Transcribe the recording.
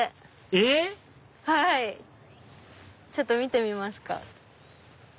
えっ⁉ちょっと見てみますか。